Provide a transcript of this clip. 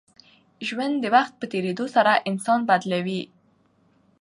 ژوند د وخت په تېرېدو سره انسان بدلوي.